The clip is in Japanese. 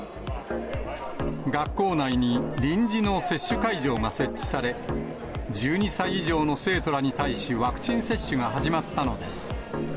学校内に臨時の接種会場が設置され、１２歳以上の生徒らに対し、ワクチン接種が始まったのです。